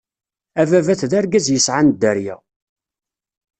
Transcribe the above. Ababat d argaz yesɛan dderya.